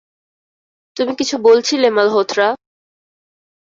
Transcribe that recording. তুমি কিছু বলছিলে মালহোত্রা?